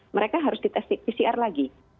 mereka harus di tes pcr lagi